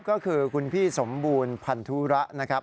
ก็คือคุณพี่สมบูรณ์พันธุระนะครับ